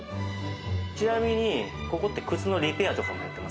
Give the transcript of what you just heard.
ちなみにここって。